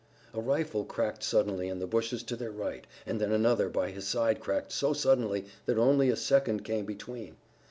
A rifle cracked suddenly in the bushes to their right, and then another by his side cracked so suddenly that only a second came between.